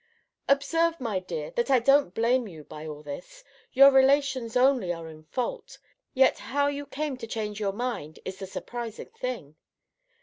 Observe, my dear, that I don't blame you by all this Your relations only are in fault! Yet how you came to change your mind is the surprising thing.